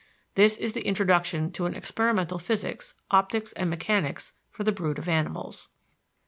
This is the introduction to an experimental physics, optics, and mechanics for the brood of animals.